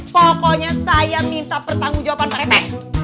pokoknya saya minta pertanggung jawaban pak rete